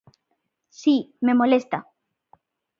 Si, me molesta.